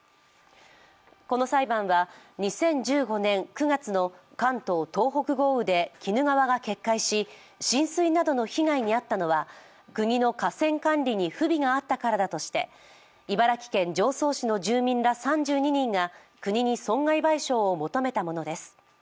この裁判は２０１５年９月の関東・東北豪雨で鬼怒川が決壊し、浸水などの被害に遭ったのは国の河川管理に不備があったからだとして茨城県常総市の住民ら３２人が国に損害賠償を求めたものです。